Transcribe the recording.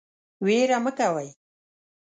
ویره مه کوئ